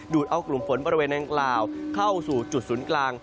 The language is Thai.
เอากลุ่มฝนบริเวณอังกล่าวเข้าสู่จุดศูนย์กลาง